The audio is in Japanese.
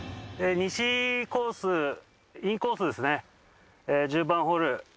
西コースインコースですね１０番ホール。